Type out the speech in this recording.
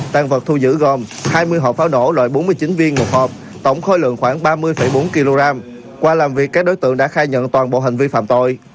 tăng vật thu giữ gồm hai mươi hộp pháo nổ loại bốn mươi chín viên một hộp tổng khối lượng khoảng ba mươi bốn kg qua làm việc các đối tượng đã khai nhận toàn bộ hành vi phạm tội